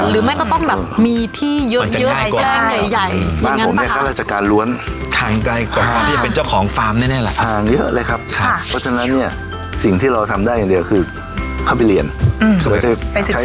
เราก็เลือกเรียนเกษตรเลยพอเข้ามาปุ๊ป